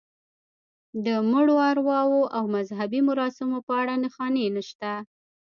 د مړو ارواوو او مذهبي مراسمو په اړه نښانې نشته.